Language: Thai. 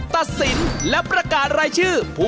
ตัดสินและประกาศรายชื่อ